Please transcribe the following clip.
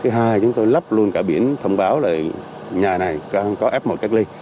thứ hai chúng tôi lắp luôn cả biển thông báo là nhà này càng có f một cách ly